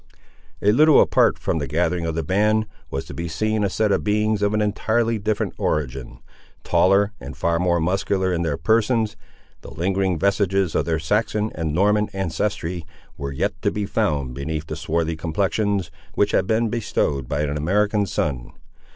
A little apart from the gathering of the band, was to be seen a set of beings of an entirely different origin. Taller and far more muscular in their persons, the lingering vestiges of their Saxon and Norman ancestry were yet to be found beneath the swarthy complexions, which had been bestowed by an American sun.